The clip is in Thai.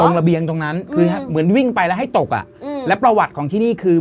ระเบียงตรงนั้นคือเหมือนวิ่งไปแล้วให้ตกอ่ะอืมแล้วประวัติของที่นี่คือ